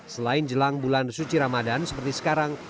selain jelang bulan suci ramadan seperti sekarang